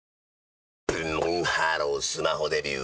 ブンブンハロースマホデビュー！